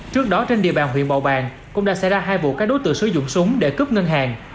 trước đó trên địa bàn huyện bầu bàng cũng đã xảy ra hai vụ các đối tượng sử dụng súng để cướp ngân hàng